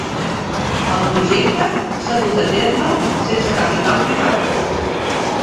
El projecte s'ha dut a terme sense capital privat.